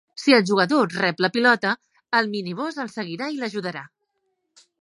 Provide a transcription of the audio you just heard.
Si el jugador rep la pilota, el miniboss el seguirà i l'ajudarà.